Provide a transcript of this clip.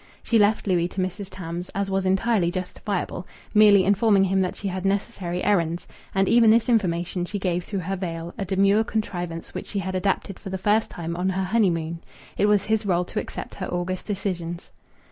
She left Louis to Mrs. Tams, as was entirely justifiable, merely informing him that she had necessary errands, and even this information she gave through her veil, a demure contrivance which she had adapted for the first time on her honeymoon. It was his role to accept her august decisions.